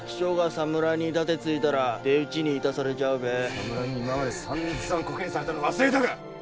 侍に今までさんざんコケにされたの忘れだが？